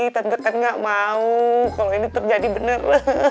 tante kan nggak mau kalau ini terjadi bener